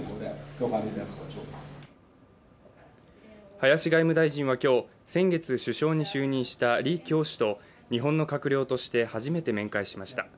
林外務大臣は今日、先月首相に就任した李強氏と、日本の閣僚として初めて面会しました。